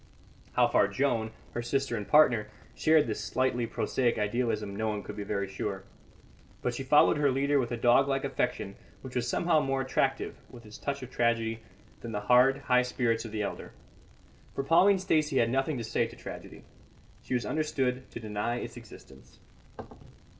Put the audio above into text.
How far Joan, her sister and partner, shared this slightly prosaic idealism no one could be very sure. But she followed her leader with a dog like affection which was somehow more attractive, with its touch of tragedy, than the hard, high spirits of the elder. For Pauline Stacey had nothing to say to tragedy; she was understood to deny its existence.